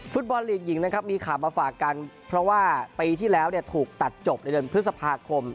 ฟุตบอลลีกหญิงนะครับมีข่าวมาฝากกันเพราะว่าปีที่แล้วถูกตัดจบในเดือนพฤษภาคม